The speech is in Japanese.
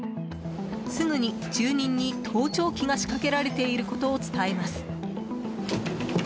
すぐに、住人に盗聴器が仕掛けられていることを伝えます。